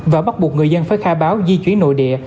và bắt buộc người dân phải khai báo di chuyển nội địa